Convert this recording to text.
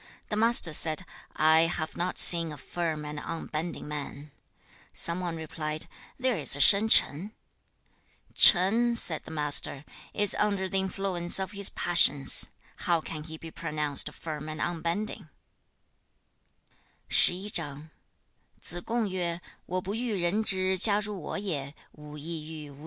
The Master said, 'I have not seen a firm and unbending man.' Some one replied, 'There is Shan Ch'ang.' 'Ch'ang,' said the Master, 'is under the influence of his passions; how can he be pronounced firm and unbending?' CHAP. XI.